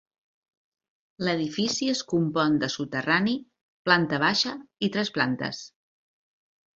L'edifici es compon de soterrani, planta baixa i tres plantes.